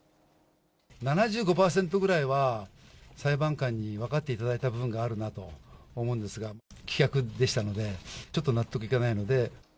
７５％ぐらいは、裁判官に分かっていただいた部分があるなと思うんですが、棄却でしたので、ちょっと納得いかないので。